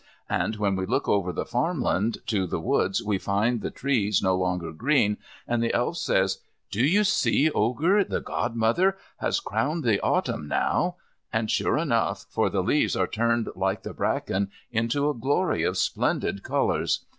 And when we look over the farm land to the woods we find the trees no longer green, and the Elf says, "Do you see Ogre, the Godmother has crowned Autumn now?" and sure enough, for the leaves are turned like the brackens into a glory of splendid colours.